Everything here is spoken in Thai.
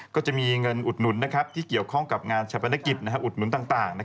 ก็จะมีเงินอุดหนุนที่เกี่ยวข้องกับงานชะปนกิจอุดหนุนต่าง